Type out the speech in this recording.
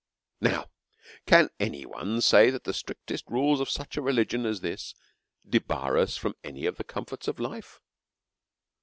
Now, can any one say that the strictest rules of such a religion as this debar us any of the comforts of life?